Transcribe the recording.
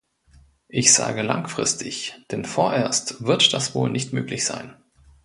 Ich sage langfristig, denn vorerst wird das wohl nicht möglich sein.